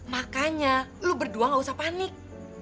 makanya lu berdua gak usah panik